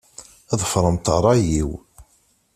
Ḍefṛemt ṛṛay-iw.